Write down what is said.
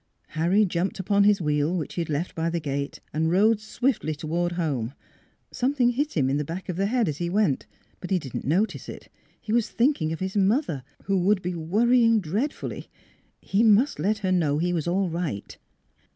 Harry jumped upon his wheel, which he had left by the gate, and rode swiftly toward home. Something hit him in NEIGHBORS the back of the head as he went, but he did not notice it: he was thinking of his mother, who would be " worrying dreadfully." He must let her know he was all right.